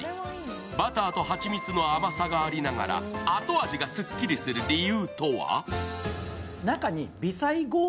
バターと蜂蜜の甘さがありながら後味がスッキリする理由とは？